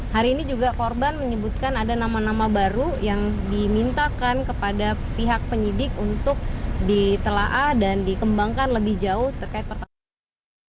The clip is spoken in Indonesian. hari ini juga korban menyebutkan ada nama nama baru yang dimintakan kepada pihak penyidik untuk ditelaah dan dikembangkan lebih jauh terkait pertanyaan